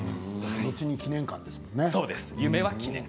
後に記念館ですもんね。